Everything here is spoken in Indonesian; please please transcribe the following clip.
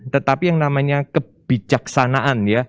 tetapi yang namanya kebijaksanaan ya